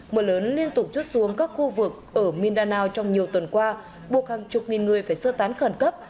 mưa lớn liên tục chút xuống các khu vực ở mindanao trong nhiều tuần qua buộc hàng chục nghìn người phải sơ tán khẩn cấp